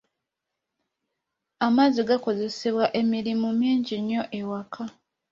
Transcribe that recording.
Amazzi gakozesebwa emirimu mingi nnyo ewaka.